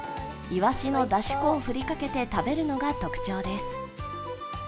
いわしのだし粉を振りかけて食べるのが特徴です。